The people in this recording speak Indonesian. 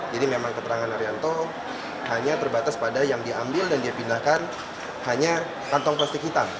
jadi memang keterangan arianto hanya terbatas pada yang diambil dan dipindahkan hanya kantong plastik hitam